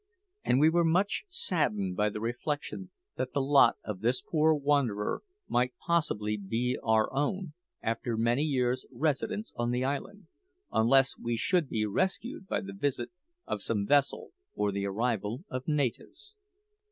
And we were much saddened by the reflection that the lot of this poor wanderer might possibly be our own, after many years' residence on the island, unless we should be rescued by the visit of some vessel or the arrival of natives.